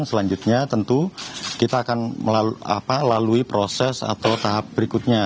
selanjutnya tentu kita akan melalui proses atau tahap berikutnya